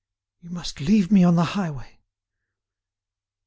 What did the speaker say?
You must leave me on the highway."